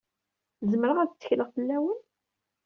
Zemreɣ ad tekkleɣ fell-awen?